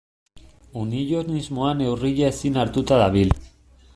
Unionismoa neurria ezin hartuta dabil.